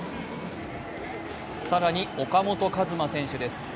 更に岡本和真選手です。